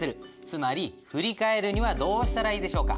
つまり振り替えるにはどうしたらいいでしょうか？